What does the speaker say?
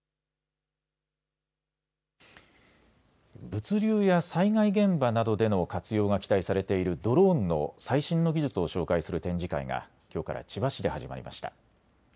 物流や災害現場などでの活用が期待されているドローンの最新の技術を紹介する展示会がきょうから千葉市で始まりました。